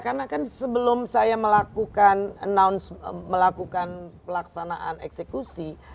karena kan sebelum saya melakukan pelaksanaan eksekusi